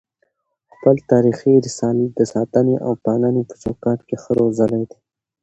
خپل تاریخي رسالت د ساتني او پالني په چوکاټ کي ښه روزلی دی